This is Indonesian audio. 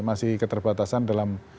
masih keterbatasan dalam